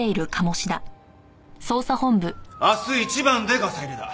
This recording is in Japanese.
明日一番でガサ入れだ。